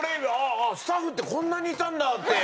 スタッフってこんなにいたんだって。